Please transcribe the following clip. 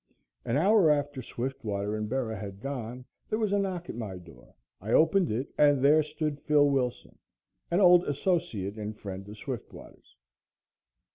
An hour after Swiftwater and Bera had gone, there was a knock at my door. I opened it and there stood Phil Wilson an old associate and friend of Swiftwater's.